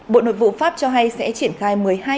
bộ nội vụ pháp cho hay sẽ triển khai một mươi hai cảnh sát